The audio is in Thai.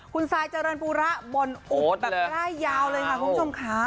คุณซายเจริญปูระบ่นอุบแบบร่ายยาวเลยค่ะคุณผู้ชมค่ะ